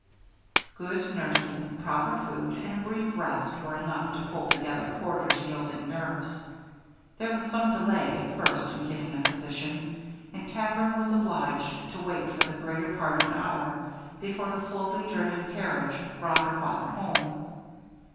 Good nursing, proper food, and a brief rest were enough to pull together Porter's yielding nerves. There was some delay at first in getting a physician, and Katherine was obliged to wait for the greater part of an hour before the slowly driven carriage brought her father home.